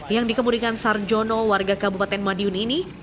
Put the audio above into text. yang dikemudikan sarjono warga kabupaten madiun ini